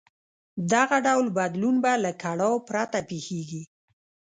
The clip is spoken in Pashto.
دغه ډول بدلون به له کړاو پرته پېښېږي.